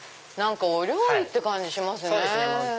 お料理って感じしますね。